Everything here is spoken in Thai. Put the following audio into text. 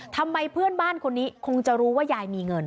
ทำไมเพื่อนบ้านคนนี้คงจะรู้ว่ายายมีเงิน